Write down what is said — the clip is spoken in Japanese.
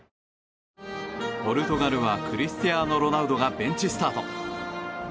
ポルトガルはクリスティアーノ・ロナウドがベンチスタート。